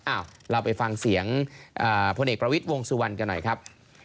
เราไปฟังเสียงพลเอกประวิทย์วงสุวรรณกันหน่อยครับ